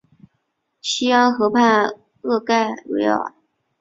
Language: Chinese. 西安河畔厄盖维尔。